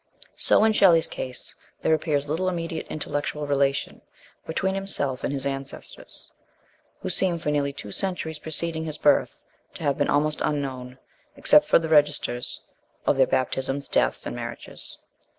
So in Shelley's case there appears little immediate intellectual relation between himself and his ancestors, who seem for nearly two centuries pre ceding his birth to have been almost unknown, except for the registers of their baptisms, deaths, and mar riages.